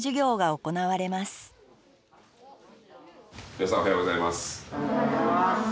おはようございます。